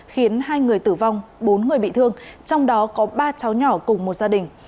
khiến hai người tử vong bốn người bị thương trong đó có ba cháu nhỏ cùng một gia đình